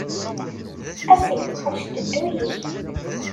A s-yeqqar "cteddu-yi".